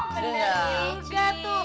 bener juga tuh